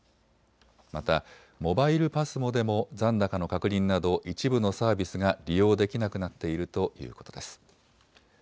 またモバイルＰＡＳＭＯでも残高の確認など一部のサービスが利用できなくなっているということです。